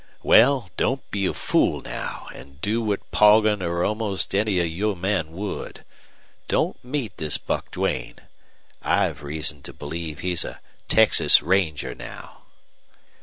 "Well, don't be a fool now and do what Poggin or almost any of you men would don't meet this Buck Duane. I've reason to believe he's a Texas Ranger now."